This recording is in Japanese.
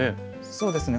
そうですね